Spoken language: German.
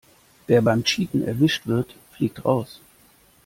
Wer beim Cheaten erwischt wird, fliegt raus.